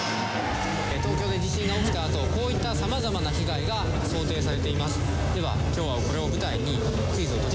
東京で地震が起きたあと、こういったさまざまな被害が想定されています。